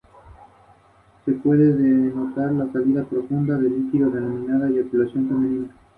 Su cuerpo es descubierto en posición fetal.